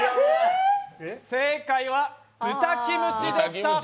正解は豚キムチでした。